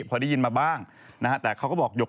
พอได้ยินมาบ้างแต่เขาก็บอก